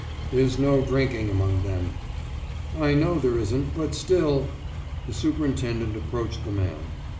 »There's no drinking among them.« »I know there isn't but still....« The superintendent approached the man.